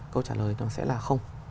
câu trả lời nó sẽ là không